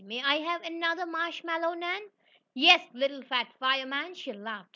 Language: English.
"May I have another marshmallow, Nan?" "Yes, little fat fireman," she laughed.